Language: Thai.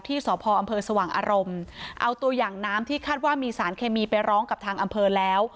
ที่สพอำเภอสว่างอารมณ์เอาตัวอย่างน้ำที่คาดว่ามีสารเคมีไปร้องกับทางอำเภอแล้ว